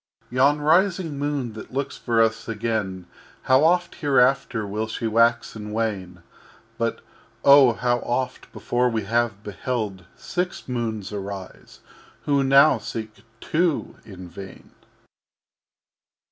_] XVI Yon rising Moon that looks for us again How oft hereafter will she wax and wane; But, Oh, how oft before we have beheld Six Moons arise who now seek Two in vain.